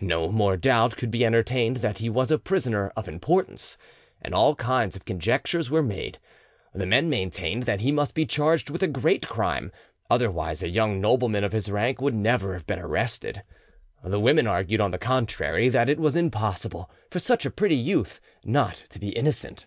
No, more doubt could be entertained that he was a prisoner of importance, and all kinds of conjectures were made. The men maintained that he must be charged with a great crime, otherwise a young nobleman of his rank would never have been arrested; the women argued, on the contrary, that it was impossible for such a pretty youth not to be innocent.